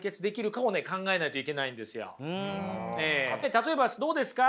例えばどうですか？